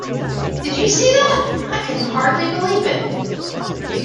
Did you see that? I can hardly believe it!